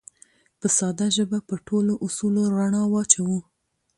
په ساده ژبه به په ټولو اصولو رڼا واچوو